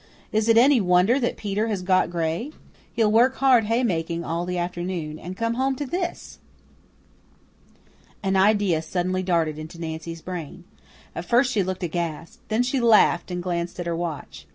Is it any wonder that Peter has got gray? He'll work hard haymaking all the afternoon and then come home to THIS!" An idea suddenly darted into Nancy's brain. At first she looked aghast. Then she laughed and glanced at her watch.